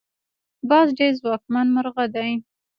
باز ډیر ځواکمن مرغه دی